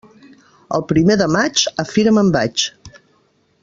El primer de maig, a fira me'n vaig.